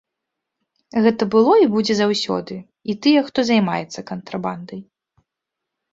Гэта было і будзе заўсёды, і тыя, хто займаецца кантрабандай.